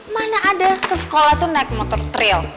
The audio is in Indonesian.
mana ada ke sekolah tuh naik motor trill